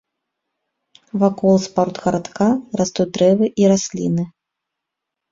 Вакол спортгарадка растуць дрэвы і расліны.